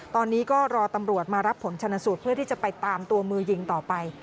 ตอนนี้ก็รอตำรวจมารับผลชนสูตรเพื่อที่จะไปตามตัวมือยิงต่อไป